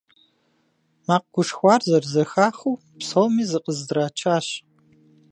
Макъ гушхуар зэрызэхахыу, псоми зыкъыздрачащ.